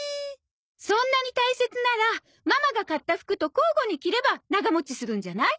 そんなに大切ならママが買った服と交互に着れば長持ちするんじゃない？